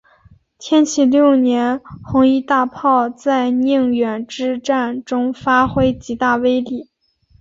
天启六年红夷大炮在宁远之战中发挥极大威力。